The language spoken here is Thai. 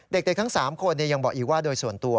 เด็กทั้ง๓คนยังบอกอีกว่าโดยส่วนตัว